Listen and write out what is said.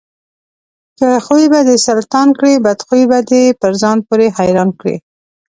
ښه خوى به دسلطان کړي، بدخوى به دپرځان پورې حيران کړي.